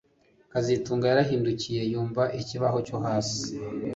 kazitunga yarahindukiye yumva ikibaho cyo hasi